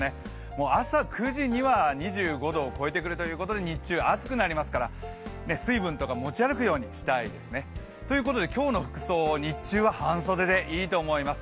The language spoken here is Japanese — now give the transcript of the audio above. もう朝９時には２５度を超えてくるということで、日中暑くなりますから、水分とか持ち歩くようにしたいですね。ということで今日の服装、日中は半袖でいいと思います。